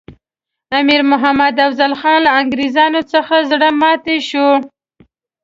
امیر محمد افضل خان له انګریزانو څخه زړه ماتي شو.